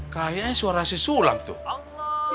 kayaknya suara si sulam tuh